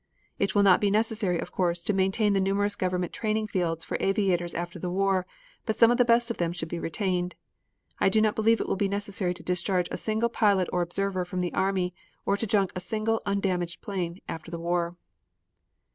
It will not be necessary, of course, to maintain the numerous government training fields for aviators after the war, but some of the best of them should be retained. I do not believe it will be necessary to discharge a single pilot or observer from the army or to junk a single undamaged airplane after the war.